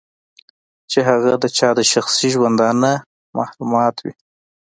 چې هغه د چا د شخصي ژوندانه محرمات وي.